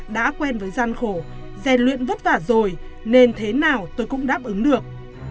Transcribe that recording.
đã quen với gian khổ rèn luyện vất vả rồi nên thế nào tôi cũng đáp ứng được